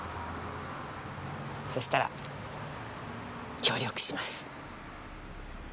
そしたら協力します。